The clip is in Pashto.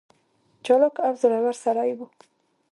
چالاک او زړه ور سړی وي.